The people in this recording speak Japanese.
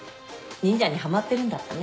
忍者にはまってるんだったね。